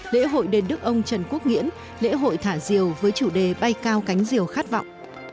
lễ hội đền đức ông trần quốc nghĩễn lễ hội thả diều với chủ đề bay cao cánh diều khát vọng